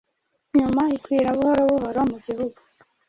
nyuma ikwira buhoro buhoro mu gihugu.